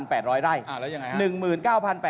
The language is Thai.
แล้วยังไงครับ